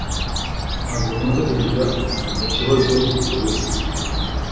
Ntabwo nkunze kugira ikibazo cyo gusinzira.